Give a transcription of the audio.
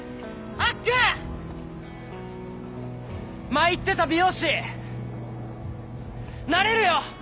前言ってた美容師なれるよ！